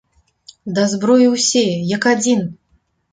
Да зброі ўсе, як адзін!